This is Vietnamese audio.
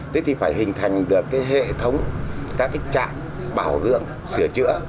thế thì phải hình thành được cái hệ thống các cái trạm bảo dưỡng sửa chữa